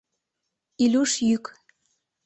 Илюш йӱк.